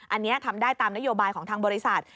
อันนี้ทำได้ตามนโยบายของทางบริษัท